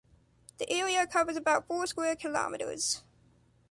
The area covers about four square kilometer.